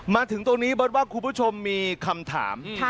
มาถึงตรงนี้เบิร์ตว่าคุณผู้ชมมีคำถาม